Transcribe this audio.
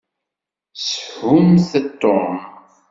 Shumt Tom!